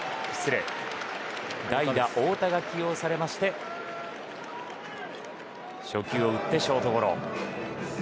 代打太田が起用されまして初球を打ってショートゴロ。